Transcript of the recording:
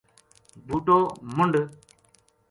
بوٹو منڈھ